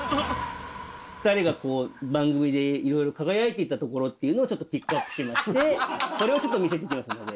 ２人が番組でいろいろ輝いていたところっていうのをちょっとピックアップしてみましてそれを見せていきますので。